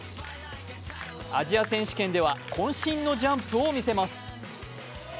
アジア選手権ではこん身のジャンプを見せます。